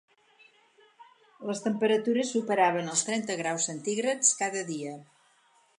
Les temperatures superaven els trenta graus centígrads cada dia.